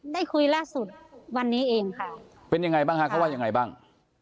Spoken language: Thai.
ได้คุยล่าสุดวันนี้เองค่ะเป็นยังไงบ้างฮะเขาว่ายังไงบ้าง